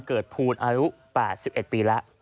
เกิดภูตรอายุ๘๑ปีแล้ว